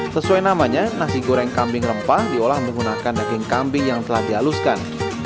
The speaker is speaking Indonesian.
sesuai namanya nasi goreng kambing rempah diolah menggunakan daging kambing yang telah dihaluskan